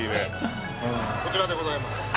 こちらでございます。